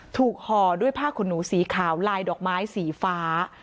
ห่อด้วยผ้าขนหนูสีขาวลายดอกไม้สีฟ้า